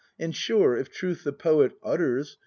And sure, if truth the poet utters.